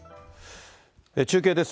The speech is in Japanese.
中継です。